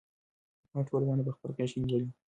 پاڼې ټوله ونه په خپله غېږ کې نیولې وه.